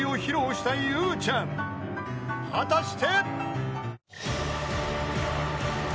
［果たして］